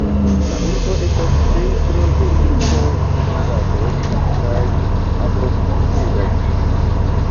La urbo estas centro de vito-kultivado kaj agrokulturo.